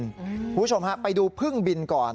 คุณผู้ชมฮะไปดูพึ่งบินก่อน